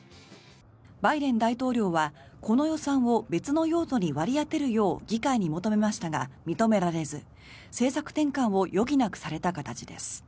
バイデン大統領はこの予算を別の用途に割り当てるよう議会に求めましたが認められず政策転換を余儀なくされた形です。